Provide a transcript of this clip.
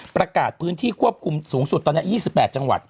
ประกาศพื้นที่ควบคุมสูงสุดตอนนี้๒๘จังหวัด